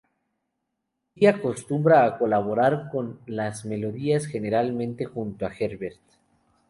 Bi acostumbra a colaborar con las melodías, generalmente junto a Herbert.